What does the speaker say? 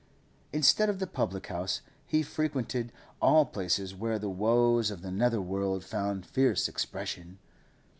Instead of the public house, he frequented all places where the woes of the nether world found fierce expression.